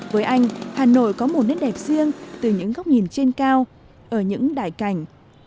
với anh hà nội có một nét đẹp riêng từ những góc nhìn trên cao ở những đại cảnh